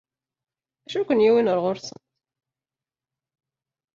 D acu i kent-yewwin ɣer ɣur-sent?